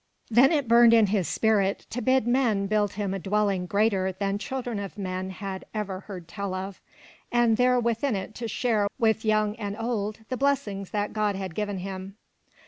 Then it burned in his spirit to bid men build him a dwelling greater than children of men had ever heard tell of, and there within it to share with young and old the blessings that God had given him.